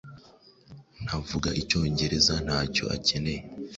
Ntavuga Icyongereza Ntacyo akeneye